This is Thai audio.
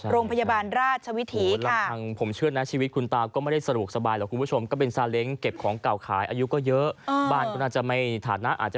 โรงพยาบาลราชวิธีค่ะ